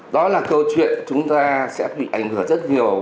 đó là câu chuyện chúng ta sẽ bị ảnh hưởng rất nhiều